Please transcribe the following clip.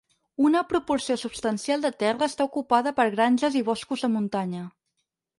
Una proporció substancial de terra està ocupada per granges i boscos de muntanya.